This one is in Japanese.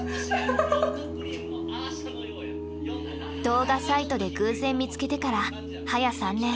動画サイトで偶然見つけてからはや３年。